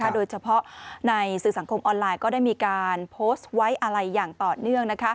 โดยเฉพาะในสื่อสังคมออนไลน์ก็ได้มีการโพสต์ไว้อะไรอย่างต่อเนื่อง